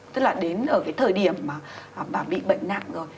tức là đến ở cái thời điểm mà bà bị bệnh nặng rồi